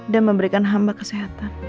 dan memberikan hamba kesehatan